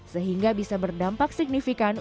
sehingga bisa berdampak signifikan